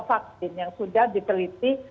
vaksin yang sudah diteliti